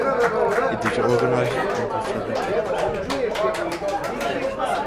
It is organized into seven chapters.